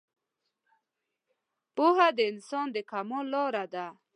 پوهه د انسان د کمال لاره ده